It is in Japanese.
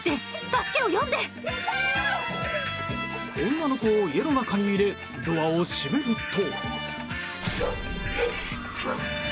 女の子を家の中に入れドアを閉めると。